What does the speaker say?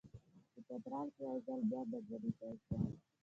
په چترال کې یو ځل بیا ګډوډي پیل شوه.